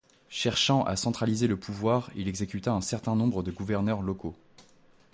Cherchant à centraliser le pouvoir, il exécuta un certain nombre de gouverneurs locaux.